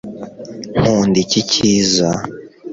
nkunda icyi cyiza